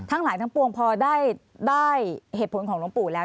ทั้งหลายทั้งปวงพอได้เหตุผลของหลวงปู่แล้ว